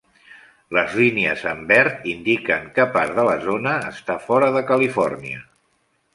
Les línies en verd indiquen que part de la zona està fora de Califòrnia.